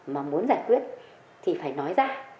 mà muốn giải quyết thì phải nói ra